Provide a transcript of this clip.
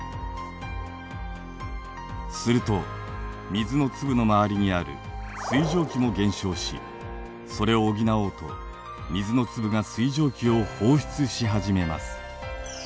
すると水の粒の周りにある水蒸気も減少しそれを補おうと水の粒が水蒸気を放出しはじめます。